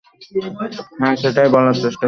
হ্যাঁ, সেটাই বলার চেষ্টা করছি।